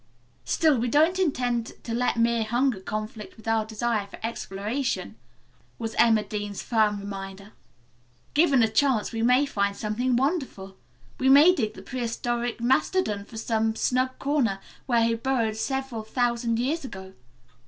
"Still we don't intend to let mere hunger conflict with our desire for exploration," was Emma Dean's firm reminder. "Given a chance, we may find something wonderful. We may dig the prehistoric mastodon from some snug corner where he burrowed several thousand years ago.